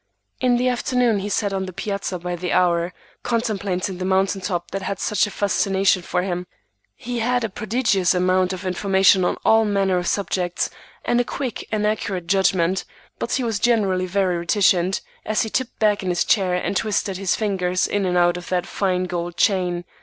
In the afternoon he sat on the piazza by the hour, contemplating the mountain top that had such a fascination for him. He had a prodigious amount of information on all manner of subjects, and a quick and accurate judgment; but he was generally very reticent, as he tipped back in his chair and twisted his fingers in and out of that fine gold chain.